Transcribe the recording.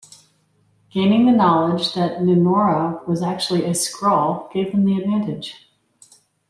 Gaining the knowledge that Nenora was actually a Skrull gave them the advantage.